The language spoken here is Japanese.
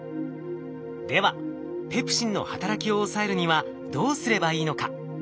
ではペプシンの働きを抑えるにはどうすればいいのか。